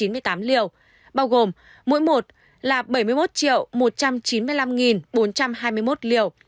bao gồm mũi một là bảy mươi một một trăm chín mươi năm bốn trăm hai mươi một liều mũi hai là sáu mươi bảy chín trăm bốn mươi năm liều